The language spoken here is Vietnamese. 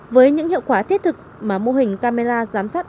với những hiệu quả thiết thực mà mô hình camera giám sát